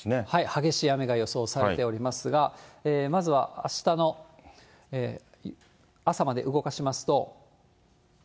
激しい雨が予想されておりますが、まずは、あしたの朝まで動かしますと。